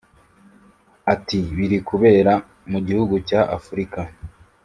Ati” Biri kubera mu gihugu cya Afurika